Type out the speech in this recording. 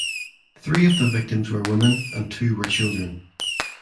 Three of the victims were women and two were children.